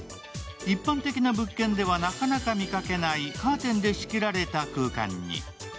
一般的な物件では、なかなか見かけないカーテンで仕切られた空間に。